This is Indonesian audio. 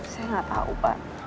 saya nggak tahu pak